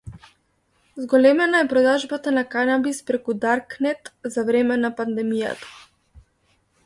Зголемена е продажбата на канабис преку Даркнет за време на пандемијата